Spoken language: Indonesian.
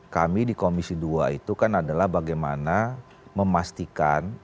kami di komisi dua itu kan adalah bagaimana memastikan